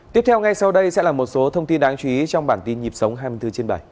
tiếp theo ngay sau đây sẽ là một số thông tin đáng chú ý trong bản tin nhịp sống hai mươi bốn trên bảy